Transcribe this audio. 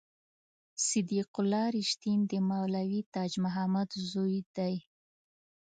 صدیق الله رښتین د مولوي تاج محمد زوی دی.